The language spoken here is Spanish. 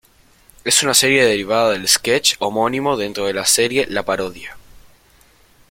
Es una serie derivada del sketch homónimo dentro de la serie La Parodia.